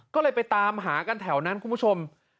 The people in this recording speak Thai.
ก็เลยไปตามหากันแถวนั้นคุณผู้ชม